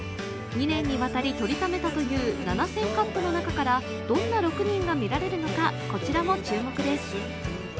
２年にわたり撮りためたという７０００カットの中からどんな６人が見られるのかこちらも注目です。